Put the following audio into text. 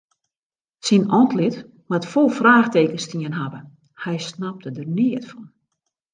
Syn antlit moat fol fraachtekens stien hawwe, hy snapte der neat fan.